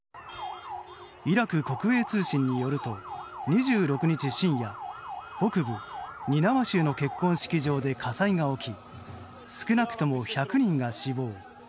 イラク国営通信によると２６日深夜北部ニナワ州の結婚式場で火災が起き少なくとも１００人が死亡。